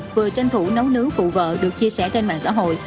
vừa tranh thủ nấu nứu phụ vợ được chia sẻ trên mạng xã hội